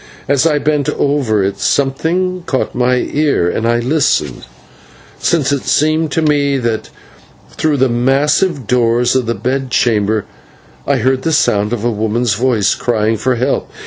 As I bent over it, something caught my ear, and I listened, since it seemed to me that through the massive doors of the bedchamber I heard the sound of a woman's voice crying for help.